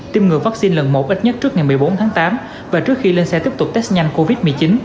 tiêm ngừa vaccine lần một ít nhất trước ngày một mươi bốn tháng tám và trước khi lên xe tiếp tục test nhanh covid một mươi chín